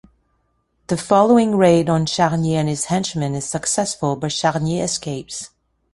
The following raid on Charnier and his henchmen is successful, but Charnier escapes.